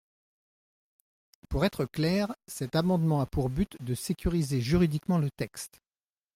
Pour être très clair, cet amendement a pour but de sécuriser juridiquement le texte.